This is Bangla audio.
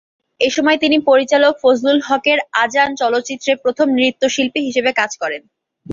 এসময় তিনি পরিচালক ফজলুল হকের "আজান" চলচ্চিত্রে প্রথম নৃত্যশিল্পী হিসেবে কাজ করেন।